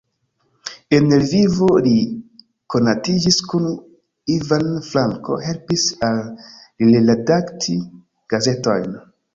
En Lvivo li konatiĝis kun Ivan Franko, helpis al li redakti gazetojn.